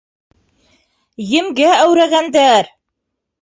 Емгә әүрәгәндәр!